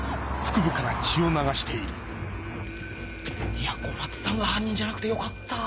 いや小松さんが犯人じゃなくてよかった。